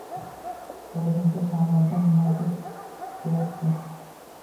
O’rgimchak shamoldan nimadir tikyapti…